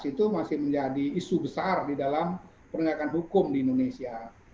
itu masih menjadi isu besar di dalam penegakan hukum di indonesia